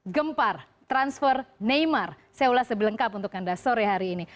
gempar transfer neymar saya ulas sebelengkap untuk anda sore hari ini